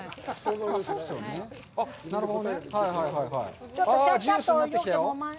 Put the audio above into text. なるほどね。